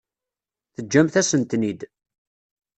Teǧǧamt-asen-ten-id.